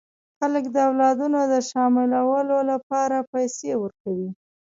خلک د اولادونو د شاملولو لپاره پیسې ورکوي.